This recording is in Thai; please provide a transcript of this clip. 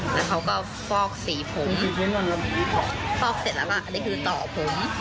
แล้วเขาก็ฟอกสีผมฟอกเสร็จแล้วล่ะอันนี้คือต่อผม